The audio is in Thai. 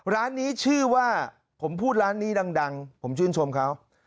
ร้านนี้ชื่อว่าผมพูดร้านนี้ดังผมชื่นชมเขา